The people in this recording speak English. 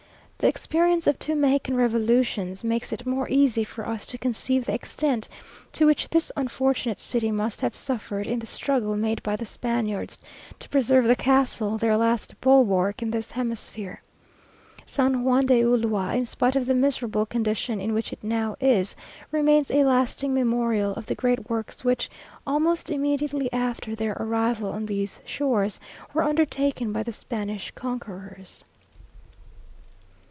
The experience of two Mexican revolutions, makes it more easy for us to conceive the extent to which this unfortunate city must have suffered in the struggle made by the Spaniards, to preserve the castle, their last bulwark in this hemisphere. San Juan de Ulua, in spite of the miserable condition in which it now is, remains a lasting memorial of the great works which, almost immediately after their arrival on these shores, were undertaken by the Spanish conquerors.